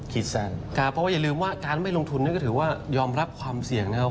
คิดสั้นครับเพราะว่าอย่าลืมว่าการไม่ลงทุนนั้นก็ถือว่ายอมรับความเสี่ยงนะครับ